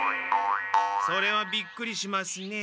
それはびっくりしますね。